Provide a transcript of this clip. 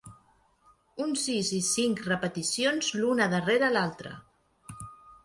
Un sis i cinc repeticions l'una darrere l'altra.